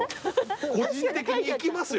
個人的に行きますよ